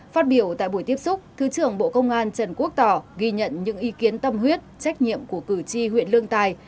phát biểu tại buổi tiếp xúc thứ trưởng bộ công an trần quốc tỏ ghi nhận những ý kiến tâm huyết trách nhiệm của cử tri huyện lương tài